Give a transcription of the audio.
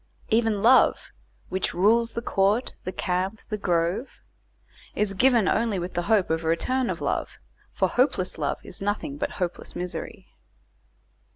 Even love "which rules the court, the camp, the grove" is given only with the hope of a return of love; for hopeless love is nothing but hopeless misery.